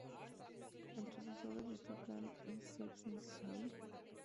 Entre sus obras destacan: "Is sex necessary?